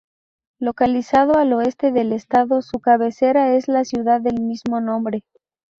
Localizado al oeste del estado, su cabecera es la ciudad del mismo nombre.